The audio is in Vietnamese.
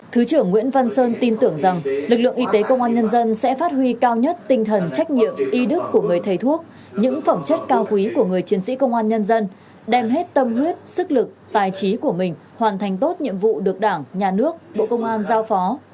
thứ trưởng nguyễn văn sơn tin tưởng rằng lực lượng y tế công an nhân dân sẽ phát huy cao nhất tinh thần trách nhiệm y đức của người thầy thuốc những phẩm chất cao quý của người chiến sĩ công an nhân dân đem hết tâm huyết sức lực tài trí của mình hoàn thành tốt nhiệm vụ được đảng nhà nước bộ công an giao phó